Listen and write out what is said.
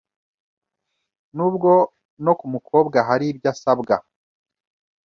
n’ubwo no ku mukobwa hari ibyo asabwa.